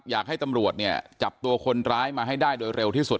อยากให้ตำรวจเนี่ยจับตัวคนร้ายมาให้ได้โดยเร็วที่สุด